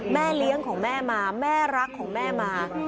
เลี้ยงของแม่มาแม่รักของแม่มา